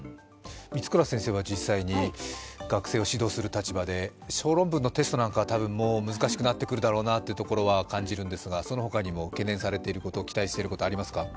満倉先生は実際に学生を指導する立場で小論文のテストなんか、もう難しくなってくるんだろうなというのは感じますがその他にも懸念されていること期待されることありますか？